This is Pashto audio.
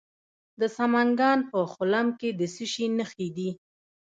د سمنګان په خلم کې د څه شي نښې دي؟